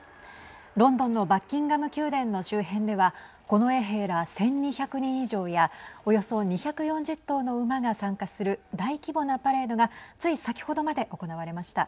ロンドンのバッキンガム宮殿の周辺では近衛兵ら１２００人以上やおよそ２４０頭の馬が参加する大規模なパレードがつい先ほどまで行われました。